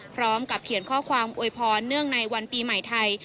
พร้อมกับเขียนข้อความอวยพรเนื่องในวันปีใหม่ไทย